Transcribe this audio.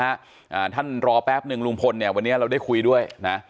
อ่าท่านรอแป๊บหนึ่งลุงพลเนี่ยวันนี้เราได้คุยด้วยนะ